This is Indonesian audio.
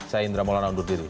saya indra maulana undur diri